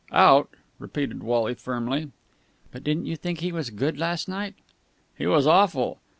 "Out!" repeated Wally firmly. "But didn't you think he was good last night?" "He was awful!